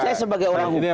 saya sebagai orang hukum